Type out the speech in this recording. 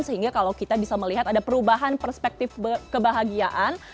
sehingga kalau kita bisa melihat ada perubahan perspektif kebahagiaan